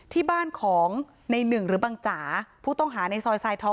ที่บ้านของในหนึ่งหรือบังจ๋าผู้ต้องหาในซอยทรายทอง